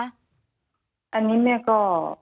อันนี้แม่ก็